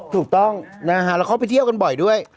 ถูกต้องนะฮะแล้วเขาไปเที่ยวกันบ่อยด้วย